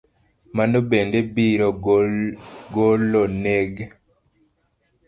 Mano bende biro goloneg